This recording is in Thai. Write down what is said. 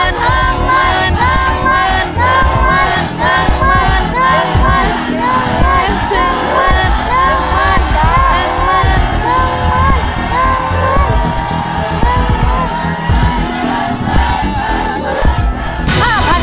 น้ำมันน้ำมันน้ำมันน้ำมันน้ำมัน